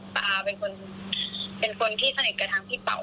อาเป็นคนที่สนิทกับทางพี่เป๋า